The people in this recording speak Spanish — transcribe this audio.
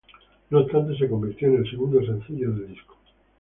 No obstante se convirtió en el segundo sencillo del disco.